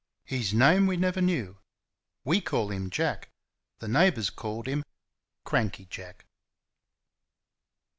His name we never knew. We call him "Jack." The neighbours called him "CRANKY Jack."